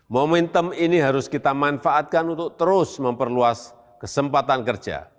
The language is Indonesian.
momentum ini harus kita manfaatkan untuk terus memperluas kesempatan kerja